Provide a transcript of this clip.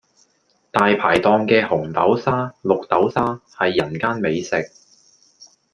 大排檔嘅紅豆沙、綠豆沙係人間美食